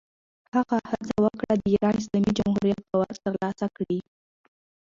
هغه هڅه وکړه، د ایران اسلامي جمهوریت باور ترلاسه کړي.